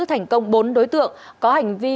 thành công bốn đối tượng có hành vi